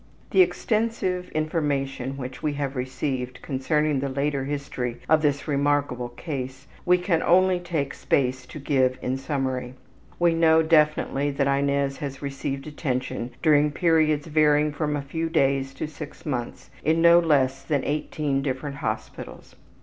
The extensive information which we have received concerning the later history of this remarkable case we can only take space to give in summary. We know definitely that Inez has received attention, during periods varying from a few days to six months, in no less than 18 different hospitals.